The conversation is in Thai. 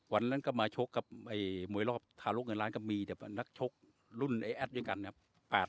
วันนั้นก็มาชกกับมวยรอบทารกเงินล้านก็มีแต่นักชกรุ่นไอ้แอดด้วยกันนะครับ